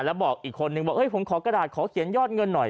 แล้วบอกอีกคนนึงบอกผมขอกระดาษขอเขียนยอดเงินหน่อย